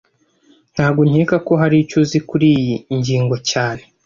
Ntago nkeka ko hari icyo uzi kuriyi ngingo cyane